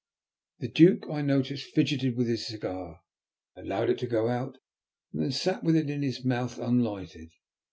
The Duke, I noticed, fidgeted with his cigar, allowed it to go out, and then sat with it in his mouth unlighted.